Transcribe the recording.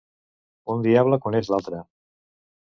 Un diable coneix l'altre.